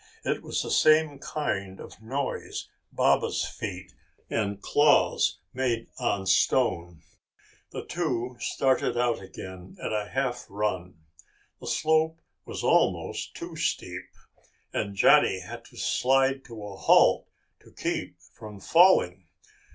It was the same kind of noise Baba's feet and claws made on stone. The two started out again at a half run. The slope was almost too steep, and Johnny had to slide to a halt to keep from falling.